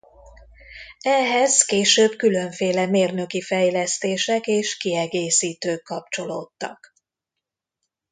Ehhez később különféle mérnöki fejlesztések és kiegészítők kapcsolódtak.